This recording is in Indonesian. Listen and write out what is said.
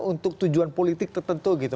untuk tujuan politik tertentu gitu